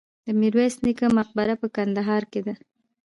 د میرویس نیکه مقبره په کندهار کې ده